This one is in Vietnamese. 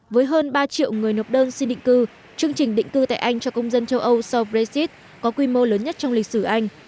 với hơn ba triệu người nộp đơn xin định cư chương trình định cư tại anh cho công dân châu âu sau brexit có quy mô lớn nhất trong lịch sử anh